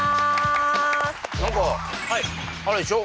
何かあれでしょ